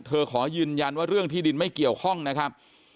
ขอยืนยันว่าเรื่องที่ดินไม่เกี่ยวข้องนะครับ